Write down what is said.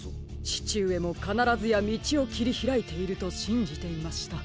ちちうえもかならずやみちをきりひらいているとしんじていました。